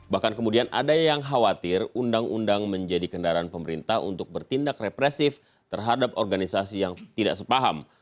bahkan kemudian ada yang khawatir undang undang menjadi kendaraan pemerintah untuk bertindak represif terhadap organisasi yang tidak sepaham